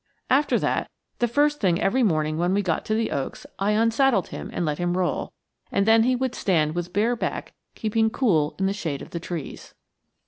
After that, the first thing every morning when we got to the oaks, I unsaddled him and let him roll, and then he would stand with bare back keeping cool in the shade of the trees.